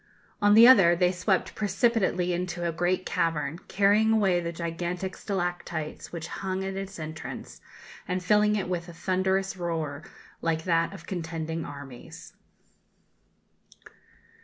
On the other, they swept precipitately into a great cavern, carrying away the gigantic stalactites which hung at its entrance, and filling it with a thunderous roar like that of contending armies.